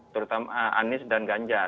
terutama anies dan ganjar